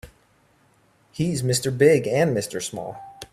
He's Mr. Big and Mr. Small.